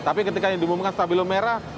tapi ketika dimumungkan stabilo merah